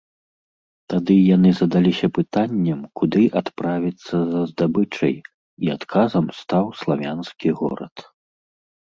Тады яны задаліся пытаннем, куды адправіцца за здабычай, і адказам стаў славянскі горад.